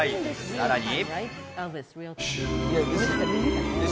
さらに。